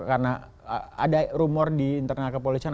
karena ada rumor di internal kepolisian